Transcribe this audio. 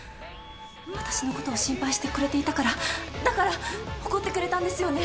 私のことを心配してくれていたからだから怒ってくれたんですよね？